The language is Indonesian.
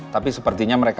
tapi sepertinya mereka